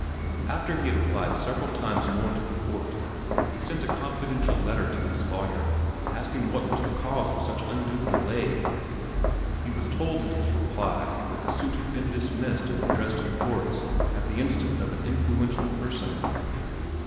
After he had applied several times more to the court, he sent a confidential letter to his lawyer asking what was the cause of such undue delay. He was told in reply that the suit had been dismissed in the Dresden courts at the instance of an influential person.